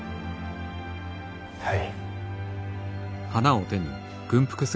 はい。